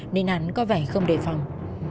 nên hắn có vẻ không đề phòng